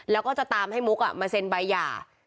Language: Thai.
แล้วก็จะตามให้มุกมาเซ็นใบหย่า